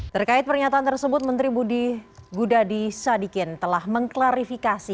terkait pernyataan tersebut menteri budi gudadi sadikin telah mengklarifikasi